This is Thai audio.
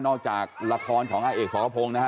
นอกจากละครของอาเหกส์สตพงศ์นะครับ